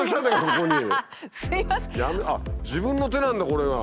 自分の手なんだこれが。